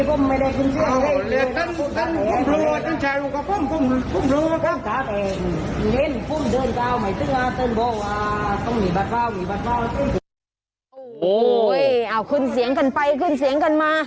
โอ้โหขึ้นเสียงกันไปขึ้นเสียงกันมา